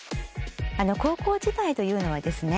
高校時代というのはですね